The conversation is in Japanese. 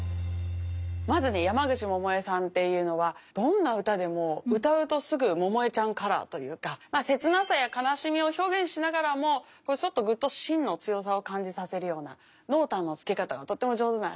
まずね山口百恵さんっていうのはどんな歌でも歌うとすぐ百恵ちゃんカラーというか切なさや悲しみを表現しながらもぐっとしんの強さを感じさせるような濃淡の付け方がとっても上手なシンガーですよね。